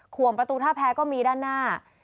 วงประตูท่าแพ้ก็มีด้านหน้า